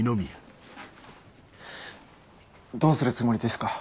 どうするつもりですか？